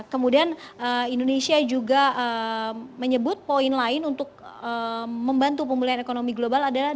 kemudian indonesia juga menyebut poin lain untuk membantu pemulihan ekonomi global adalah